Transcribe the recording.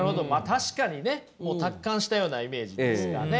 確かにねもう達観したようなイメージですかね。